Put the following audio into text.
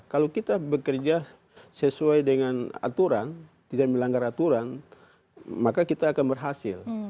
kalau kita bekerja sesuai dengan aturan tidak melanggar aturan maka kita akan berhasil